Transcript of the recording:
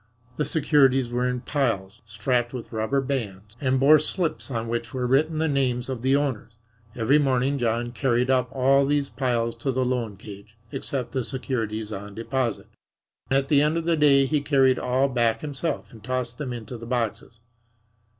The securities were in piles, strapped with rubber bands, and bore slips on which were written the names of the owners. Every morning John carried up all these piles to the loan cage except the securities on deposit. At the end of the day he carried all back himself and tossed them into the boxes.